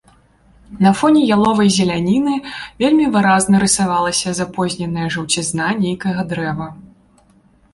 На фоне яловай зеляніны вельмі выразна рысавалася запозненая жаўцізна нейкага дрэва.